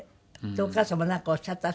お母様はなんかおっしゃった？